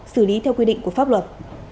xử lý theo quy định của pháp luật